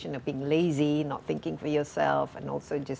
tidak ada penipuan tentang menjadi kejam